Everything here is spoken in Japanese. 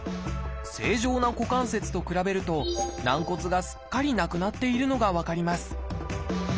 正常な股関節と比べると軟骨がすっかりなくなっているのが分かります